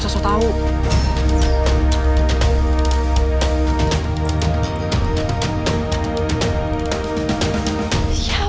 emangnya lo tau dia siapa